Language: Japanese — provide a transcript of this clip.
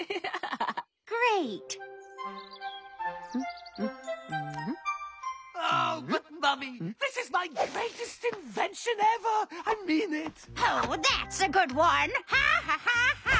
ハハッハハッ。